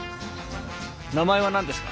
名前は何ですか？